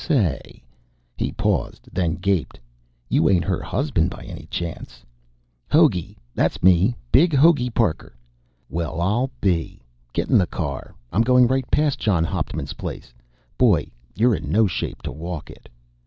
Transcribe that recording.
Say " He paused, then gaped. "You ain't her husband by any chance?" "Hogey, that's me. Big Hogey Parker." "Well, I'll be ! Get in the car. I'm going right past John Hauptman's place. Boy, you're in no shape to walk it."